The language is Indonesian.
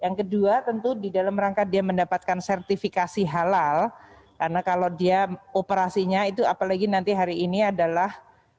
yang kedua tentu di dalam rangka dia mendapatkan sertifikasi halal karena kalau dia operasinya itu apalagi nanti hari ini adalah